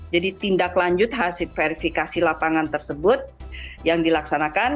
jadi tindak lanjut hasil verifikasi lapangan tersebut yang dilaksanakan